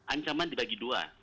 ancaman dibagi dua